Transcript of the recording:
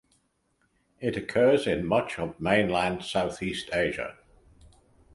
It occurs in much of Mainland Southeast Asia.